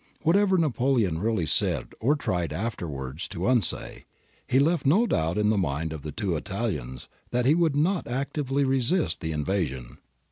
^ Whatever Napoleon really said or tried afterwards to unsay, he left no doubt in the mind of the two Italians that he would not actively resist the invasion.